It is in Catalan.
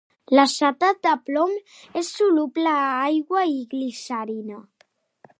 L'acetat de plom és soluble a aigua i glicerina.